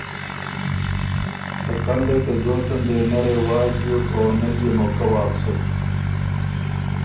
ته کندئ ته ځوڅن دې نۀ رواج بیوک او نۀ ليې موقع واک سُک